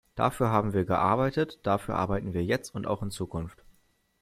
Dafür haben wir gearbeitet, dafür arbeiten wir jetzt und auch in Zukunft.